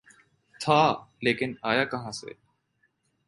تھا‘ لیکن آیا کہاں سے؟